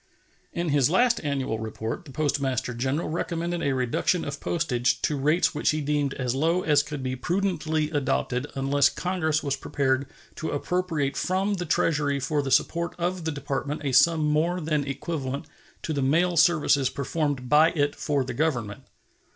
In his last annual report the Postmaster General recommended a reduction of postage to rates which he deemed as low as could be prudently adopted unless Congress was prepared to appropriate from the Treasury for the support of the Department a sum more than equivalent to the mail services performed by it for the Government.